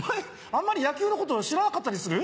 あんまり野球のこと知らなかったりする？